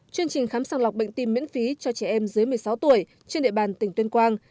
chương trình khám sàng lọc bệnh tim miễn phí cho trẻ em dưới một mươi sáu tuổi trên địa bàn tỉnh tuyên quang